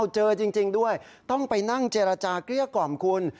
เจอจริงด้วยต้องไปนั่งเจรจาเกลี้ยกล่อมคุณ